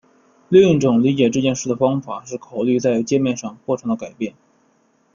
另一种理解这件事的方法是考虑在界面上波长的改变。